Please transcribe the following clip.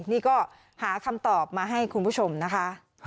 นี่ก็หาคำตอบมาให้คุณผู้ชมนะคะ